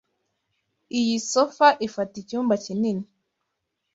Iyi sofa ifata icyumba kinini.